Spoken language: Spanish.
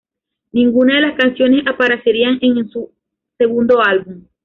Ninguna de las canciones aparecerían en su segundo álbum.